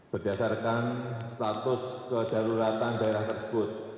berdasarkan status kedaruratan daerah tersebut